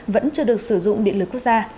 vẫn chưa được sử dụng điện lực quốc gia